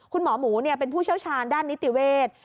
คุณหมอหมูเป็นผู้เชี่ยวชาญด้านนิติเวทย์